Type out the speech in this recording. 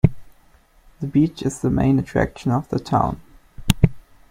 The beach is the main attraction of the town.